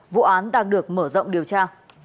vụ án đang được mở rộng điều tra